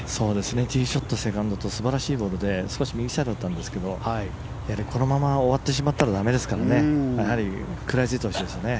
ティーショットセカンドと素晴らしく少し右サイドだったんですがこのまま終わってしまったらだめですからやはり食らいついてほしいです。